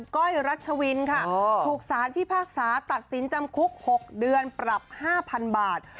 ก้อยรัชวินค่ะถูกสารพิพากษาตัดสินจำคุก๖เดือนปรับ๕๐๐๐บาท